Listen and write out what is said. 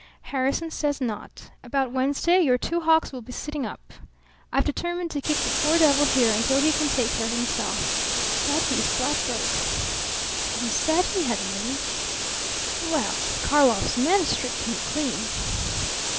"Harrison says not. About Wednesday your Two Hawks will be sitting up. I've determined to keep the poor devil here until he can take care of himself. But he is flat broke." "He said he had money." "Well, Karlov's men stripped him clean."